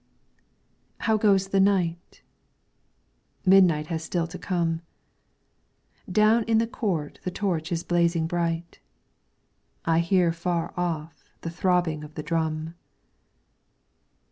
How goes the night ? Midnight has still to come, Down in the court the torch is blazing bright ; I hear far off the throbbing of the drum.